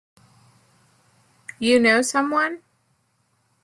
You know someone?